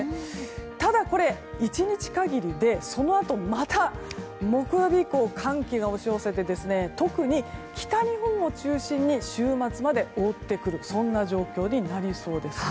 ただ、１日限りでそのあと、また木曜日以降、寒気が押し寄せて特に北日本を中心に週末まで覆ってくる状況になりそうです。